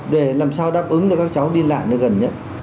để làm sao đáp ứng được các cháu đi lại nơi gần nhất